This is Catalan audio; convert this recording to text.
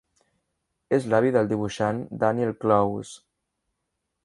És l'avi del dibuixant Daniel Clowes.